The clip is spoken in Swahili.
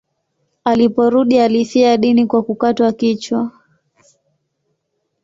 Aliporudi alifia dini kwa kukatwa kichwa.